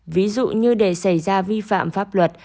ví dụ như để xảy ra vi phạm pháp luật